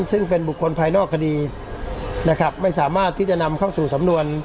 ซึ่งเป็นบุคคลภายนอกคดีนะครับไม่สามารถที่จะนำเข้าสู่สำนวน